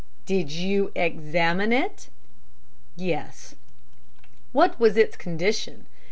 "Did you examine it?" "Yes." "What was its condition?